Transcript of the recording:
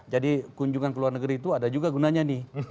jadi kunjungan ke luar negeri itu ada juga gunanya nih